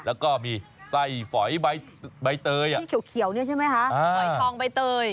แล้วก็มีไส้ฝอยใบเตยที่เขียวเนี่ยใช่ไหมคะฝอยทองใบเตย